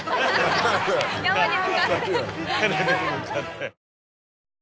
山に向かって。